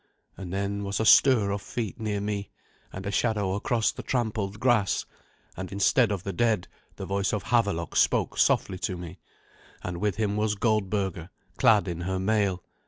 And then was a stir of feet near me, and a shadow across the trampled grass, and instead of the dead the voice of Havelok spoke softly to me, and with him was Goldberga, clad in her mail.